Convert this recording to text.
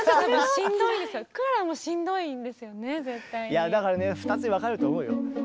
いやだからね２つに分かれると思うよ。